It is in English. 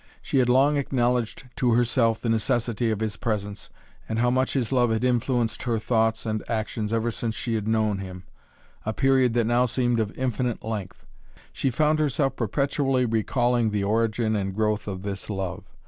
She had long acknowledged to herself the necessity of his presence, and how much his love had influenced her thoughts and actions ever since she had known him a period that now seemed of infinite length. She found herself perpetually recalling the origin and growth of this love.